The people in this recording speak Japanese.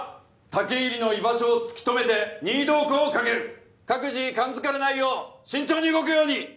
武入の居場所を突き止めて任意同行をかける各自感づかれないよう慎重に動くように！